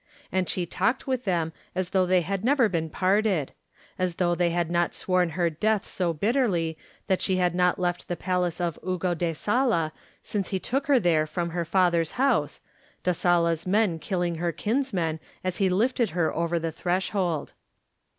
And she talked with them as though they had never been parted; as though they had not sworn her death so bitterly that she had not left the palace of Ugo da Sala since he took her there from her father's house. Da Sala's men killing her kinsman as he lifted her over the threshold.